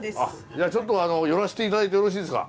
じゃあちょっと寄らせて頂いてよろしいですか？